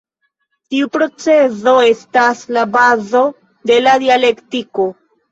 Tiu procezo estas la bazo de la dialektiko.